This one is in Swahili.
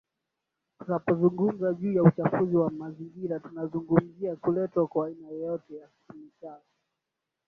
Tunapozungumza juu ya uchafuzi wa mazingira tunazungumzia kuletwa kwa aina yoyote ya kemikali